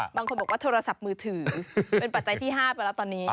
บางคนบอกว่าโทรศัพท์มือถือเป็นปัจจัยที่๕ไปแล้วตอนนี้